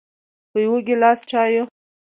په یو ګیلاس چایو